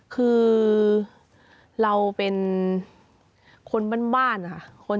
คือเราเป็นคนบ้านนะคะ